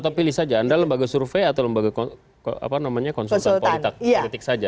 atau pilih saja anda lembaga survei atau lembaga konsultan politik saja